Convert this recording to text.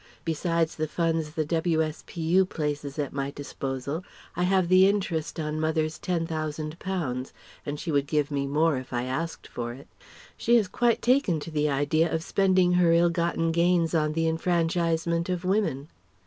Besides the funds the W.S.P.U. places at my disposal, I have the interest on mother's Ten Thousand pounds, and she would give me more if I asked for it. She has quite taken to the idea of spending her ill gotten gains on the Enfranchisement of Women!